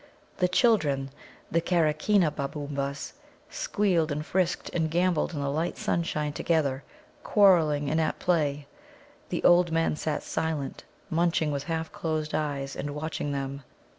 The children, the Karakeena Babbabōōmas, squealed and frisked and gambolled in the last sunshine together, quarrelling and at play. The old men sat silent, munching with half closed eyes, and watching them.